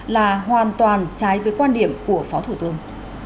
là hoàn toàn trái với quan điểm của phó thủ tướng